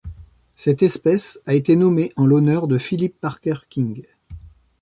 Cette espèce a été nommée en l'honneur de Philip Parker King.